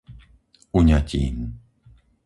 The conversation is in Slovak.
Uňatín